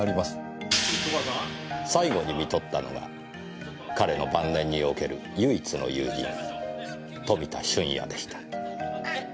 最期に看取ったのが彼の晩年における唯一の友人富田俊也でした。